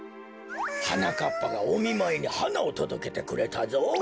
はなかっぱがおみまいにはなをとどけてくれたぞ。